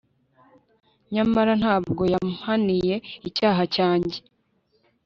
nyamara nta bwo yampaniye icyaha cyanjye